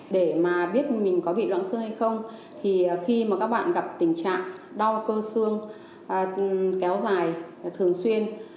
để mà biết mình có bị loạn xương hay không thì khi mà các bạn gặp tình trạng đau cơ xương kéo dài thường xuyên